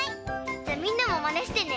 じゃみんなもまねしてね。